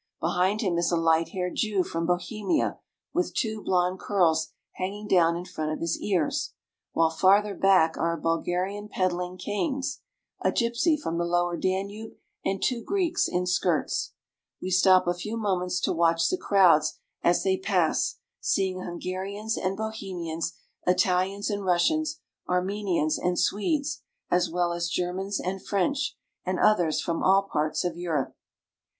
Behind him is a light haired Jew from Bohemia, with two blond curls hanging down in front of his ears, while farther back are a Bulgarian peddling canes, a gypsy from the lower Danube, and two Greeks in skirts. We stop a few moments to watch the crowds as they pass, seeing Hungarians ,and Bohemians, Italians and Rus sians, Armenians and Swedes, as well as Germans and French, and " 7 we many stra f, ge ,.,.__ faces and costumes. others from all parts of Europe.